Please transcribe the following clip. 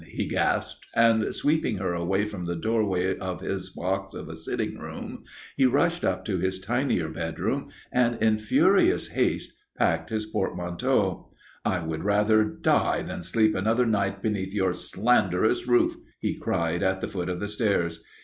he gasped, and, sweeping her away from the doorway of his box of a sitting room, he rushed up to his tinier bedroom and in furious haste packed his portmanteau. "I would rather die than sleep another night beneath your slanderous roof," he cried at the foot of the stairs.